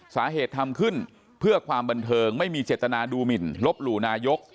ทำขึ้นเพื่อความบันเทิงไม่มีเจตนาดูหมินลบหลู่นายก